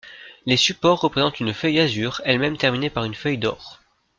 Les supports représentent une feuille azur, elle-même terminée par une feuille d'or.